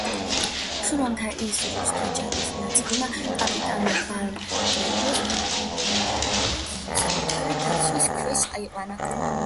სურამთან ის რუსთა ჯარის ნაწილმა კაპიტან ბარტენევის მეთაურობით საკუთარი დაცვის ქვეშ აიყვანა.